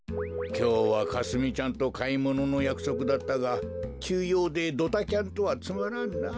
きょうはかすみちゃんとかいもののやくそくだったがきゅうようでドタキャンとはつまらんな。